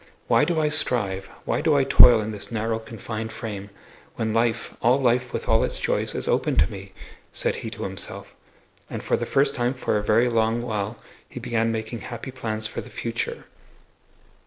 "Why do I strive, why do I toil in this narrow, confined frame, when life, all life with all its joys, is open to me?" said he to himself. And for the first time for a very long while he began making happy plans for the future.